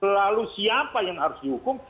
lalu siapa yang harus dihukum